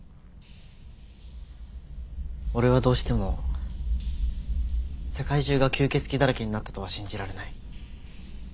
俺はどうしても世界中が吸血鬼だらけになったとは信じられない。